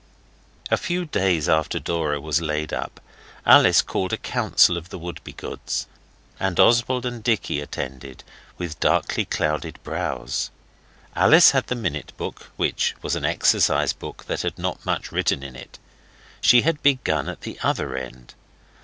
A few days after Dora was laid up, Alice called a council of the Wouldbegoods, and Oswald and Dicky attended with darkly clouded brows. Alice had the minute book, which was an exercise book that had not much written in it. She had begun at the other end.